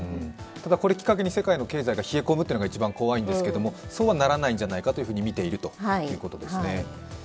ただ、これをきっかけに世界の経済が冷え込むというのが一番怖いんですけど、そうはならないんじゃないかと見ているということですね。